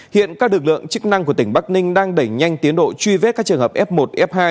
hiện các lực lượng chức năng của tỉnh bắc ninh đang đẩy nhanh tiến độ truy vết các trường hợp f một f hai